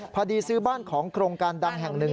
พอดีซื้อบ้านของโครงการดังแห่งหนึ่ง